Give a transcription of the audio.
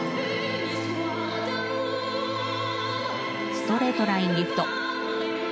ストレートラインリフト。